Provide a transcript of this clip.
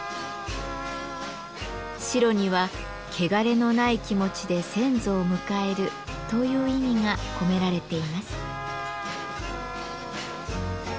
白には「けがれのない気持ちで先祖を迎える」という意味が込められています。